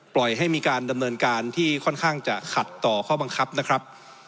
ปล่อยให้มีการดำเนินการที่ค่อนข้างจะขัดต่อข้อบังคับนะครับ